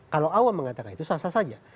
kalau awam mengatakan itu salah saja